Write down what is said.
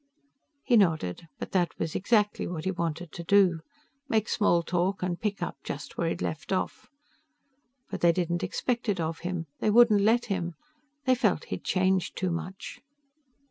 He nodded. But that was exactly what he wanted to do make small talk and pick up just where he'd left off. But they didn't expect it of him; they wouldn't let him; they felt he had changed too much.